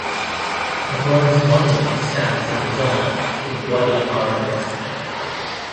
A bronze monument stands in his honor in Guadalajara, Mexico.